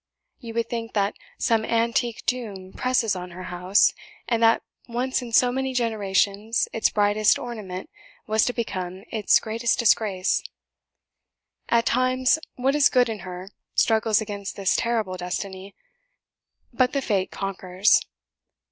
You would think that some antique doom presses on her house, and that once in so many generations its brightest ornament was to become its greatest disgrace. At times, what is good in her struggles against this terrible destiny, but the Fate conquers.